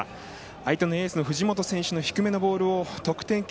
相手のエースの藤本選手の低めのボールを得点圏